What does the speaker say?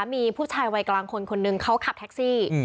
มีผู้ชายวัยกลางคนคนหนึ่งเขาขับแท็กซี่